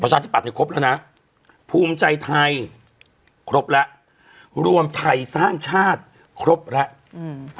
ชาธิบัตย์เนี่ยครบแล้วนะภูมิใจไทยครบแล้วรวมไทยสร้างชาติครบแล้วอืม